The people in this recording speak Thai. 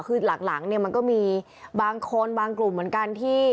คือหลังเนี่ยมันก็มีบางคนบางกลุ่มเหมือนกันที่